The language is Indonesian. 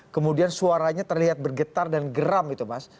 kemudian suaranya terlihat bergetar dan geram itu mas